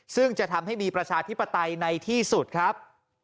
ซึ่งจะทำให้มีประชาธิปไตยในที่สุดครับ